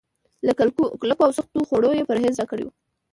له کلکو او سختو خوړو يې پرهېز راکړی و.